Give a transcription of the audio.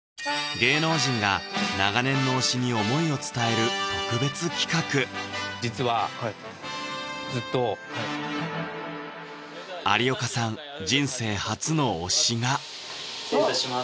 芸能人が長年の推しに思いを伝える特別企画実はずっと有岡さん人生初の推しが失礼いたします